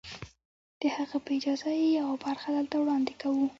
د هغه په اجازه يې يوه برخه دلته وړاندې کوو.